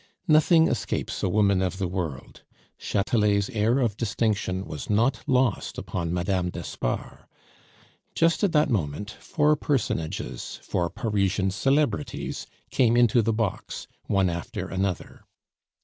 Nothing escapes a woman of the world; Chatelet's air of distinction was not lost upon Mme. d'Espard. Just at that moment four personages, four Parisian celebrities, came into the box, one after another.